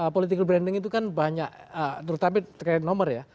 political branding itu kan banyak terutama terkait nomor ya